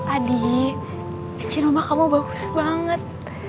adi cincin mama kamu bagus banget